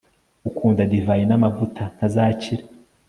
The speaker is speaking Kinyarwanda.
ukunda divayi n'amavuta ntazakira